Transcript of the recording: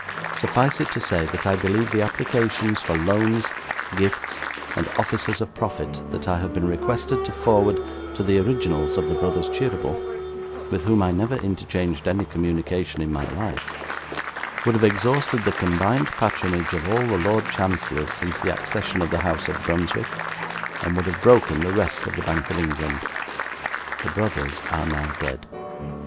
Suffice it to say, that I believe the applications for loans, gifts, and offices of profit that I have been requested to forward to the originals of the BROTHERS CHEERYBLE (with whom I never interchanged any communication in my life) would have exhausted the combined patronage of all the Lord Chancellors since the accession of the House of Brunswick, and would have broken the Rest of the Bank of England. The Brothers are now dead.